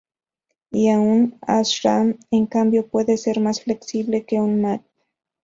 Y un Ashram en cambio puede ser más flexible que un Math.